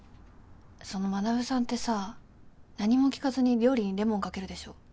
その学さんってさ何も聞かずに料理にレモンかけるでしょ。